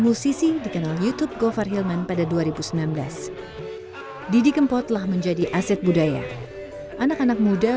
musisi di channel youtube gofarhilman pada dua ribu sembilan belas didikempot lah menjadi aset budaya anak anak muda